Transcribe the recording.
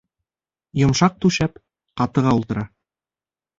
Йомшаҡ түшәп, ҡатыға ултырта.